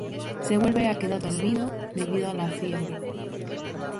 Se vuelve a quedar dormido, debido a la fiebre.